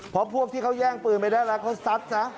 เพราะพวกที่เขาแย่งปืนไปได้แล้วเขาซัดซะ